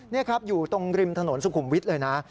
นี่ครับอยู่ตรงริมถนนสุขุมวิทย์เลยนะ